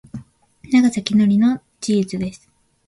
永瀬貴規の技術です。